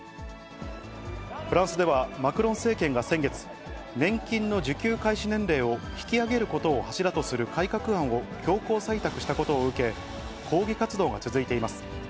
フランスではマクロン政権が先月、年金の受給開始年齢を引き上げることを柱とする改革案を強行採択したことを受け、抗議活動が続いています。